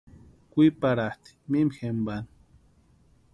Kwiparhatʼi mimi jempani.